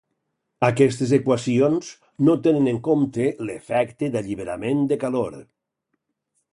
Aquestes equacions no tenen en compte l'efecte d'alliberament de calor.